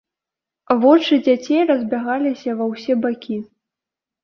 Вочы дзяцей разбягаліся ва ўсе бакі.